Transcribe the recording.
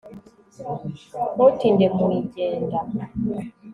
Ntutinde mu igenda